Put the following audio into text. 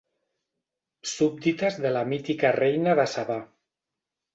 Súbdites de la mítica reina de Sabà.